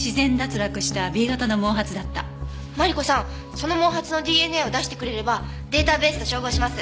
その毛髪のＤＮＡを出してくれればデータベースと照合します。